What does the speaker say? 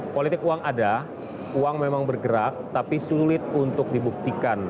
politik uang ada uang memang bergerak tapi sulit untuk dibuktikan